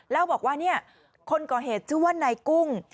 แล้วบอกว่าเนี่ยคนก่อเหตุชื่อว่านายกุ้ง